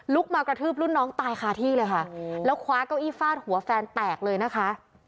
มากระทืบรุ่นน้องตายคาที่เลยค่ะแล้วคว้าเก้าอี้ฟาดหัวแฟนแตกเลยนะคะ